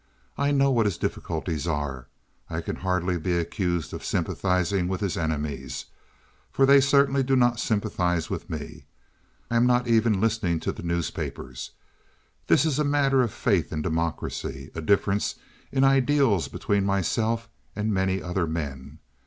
I know what his difficulties are. I can hardly be accused of sympathizing with his enemies, for they certainly do not sympathize with me. I am not even listening to the newspapers. This is a matter of faith in democracy—a difference in ideals between myself and many other men.